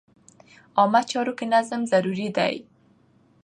عامه چارو کې نظم ضروري دی.